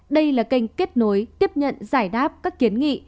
đây là kênh kết nối tiếp nhận giải đáp các kiến nghị